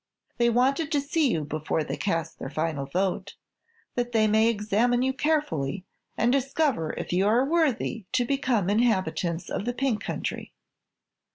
They wanted to see you before they cast their final vote, that they may examine you carefully and discover if you are worthy to become inhabitants of the Pink Country."